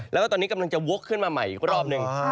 แล้วก็ตอนนี้กำลังจะวกขึ้นมาใหม่อีกรอบหนึ่ง